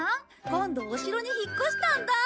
今度お城に引っ越したんだ！